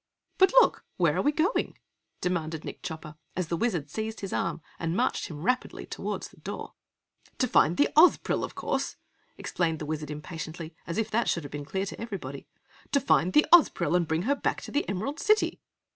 "But look where are we going?" demanded Nick Chopper, as the Wizard seized his arm and marched him rapidly toward the door. "To find the Ozpril, of course!" explained the Wizard impatiently, as if that should have been clear to everybody! "To find the Ozpril and bring her back to the Emerald City!"